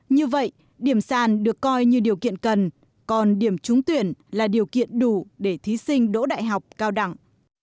như vậy điểm sàn được coi như điều kiện cần còn điểm trúng tuyển là điều kiện đủ để thí sinh đỗ đại học cao đẳng